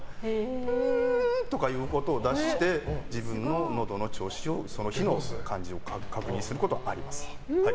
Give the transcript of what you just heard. ウーとかいう声を出して自分の、のどの調子をその日の感じを確認することはあります。